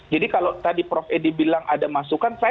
jadi kalau tadi prof edi bilang ada masukan